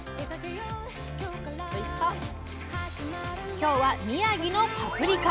今日は宮城のパプリカ！